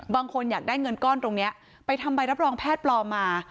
บางคนอยากได้เงินก้อนตรงนี้ไปทำใบรับรองแพทย์ปลอมมา